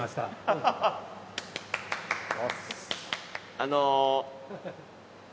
あの。